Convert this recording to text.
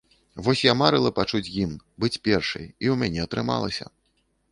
Вось я марыла пачуць гімн, быць першай, і ў мяне атрымалася.